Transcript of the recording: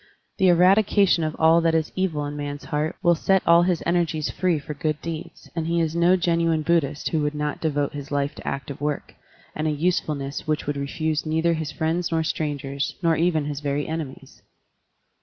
The eradication of all that is evil in man's heart will set all his energies free for good deeds, and he is no genuine Buddhist who would not devote his life to active work, and a usefulness which would refuse neither his friends nor strangers, nor even his very enemies.